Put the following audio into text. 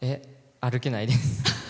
歩けないです。